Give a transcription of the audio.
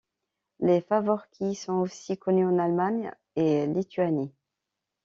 Les faworkis sont aussi connus en Allemagne et Lituanie.